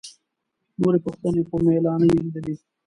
نورې پوښتنې خو مې لا نه دي لیدلي.